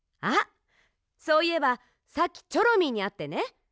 あっそういえばさっきチョロミーにあってね